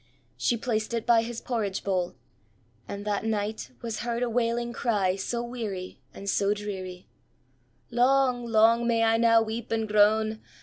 She placed it by his porridge bowl. And that night was heard a wailing cry, so weary and so dreary: "_Long, long may I now weep and groan!